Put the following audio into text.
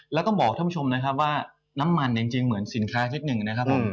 แล้วต้องบอกท่านผู้ชมนะครับว่าน้ำมันจริงเหมือนสินค้าชนิดหนึ่งนะครับผม